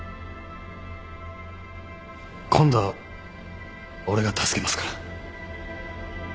今度は俺が助けますから。